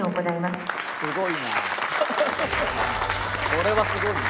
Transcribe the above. これはすごいな。